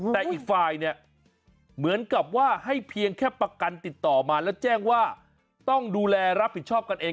แต่อีกฝ่ายเนี่ยเหมือนกับว่าให้เพียงแค่ประกันติดต่อมาแล้วแจ้งว่าต้องดูแลรับผิดชอบกันเอง